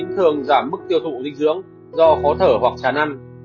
thường giảm mức tiêu thụ dinh dưỡng do khó thở hoặc chán ăn